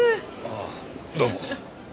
あっどうも。